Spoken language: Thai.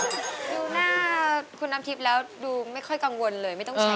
ดูหน้าคุณน้ำทิพย์แล้วดูไม่ค่อยกังวลเลยไม่ต้องใช้